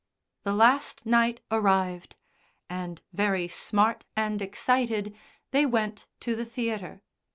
The last night arrived, and, very smart and excited, they went to the theatre.